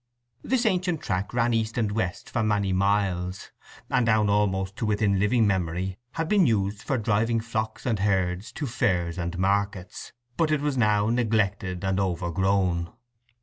This ancient track ran east and west for many miles, and down almost to within living memory had been used for driving flocks and herds to fairs and markets. But it was now neglected and overgrown.